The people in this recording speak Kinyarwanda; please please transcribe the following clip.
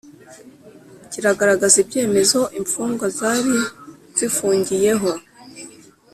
kiragaragaza ibyemezo imfungwa zari zifungiyeho